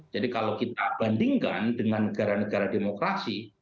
jadi kalau kita bandingkan dengan negara negara demokrasi